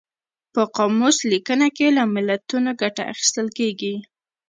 په قاموس لیکنه کې له متلونو ګټه اخیستل کیږي